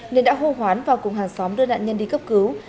nên đã hô hoán và cùng hàng xóm đưa nạn nhân đi cấp cứu